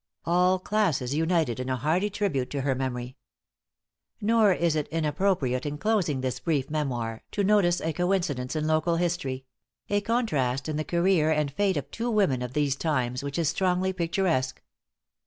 All classes united in a hearty tribute to her memory. * Life and Correspondence of President Reed. Nor is it inappropriate in closing this brief memoir, to notice a coincidence in local history; a contrast in the career and fate of two women of these times, which is strongly picturesque.